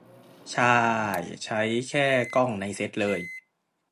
ช่าย ใช้แค่กล้องในเซ็ตเลย